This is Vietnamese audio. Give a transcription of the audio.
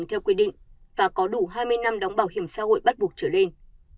theo quy định và có đủ hai mươi năm đóng bảo hiểm xã hội bắt buộc trở lên